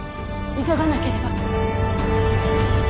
急がなければ。